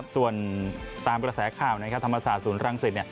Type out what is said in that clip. ส่วนตามกระแสข่าวธรรมศาสตศูนย์รังสิต